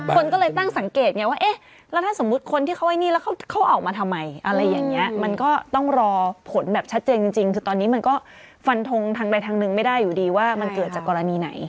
คนก็เลยตั้งสังเกตไงว่าเอ๊ะแล้วถ้าสมมุติคนที่เขาไอ้นี่แล้วเขาออกมาทำไมอะไรอย่างนี้มันก็ต้องรอผลแบบชัดเจนจริงคือตอนนี้มันก็ฟันทงทางใดทางหนึ่งไม่ได้อยู่ดีว่ามันเกิดจากกรณีไหน